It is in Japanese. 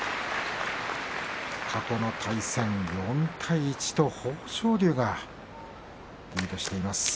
過去の対戦、４対１豊昇龍がリードしています。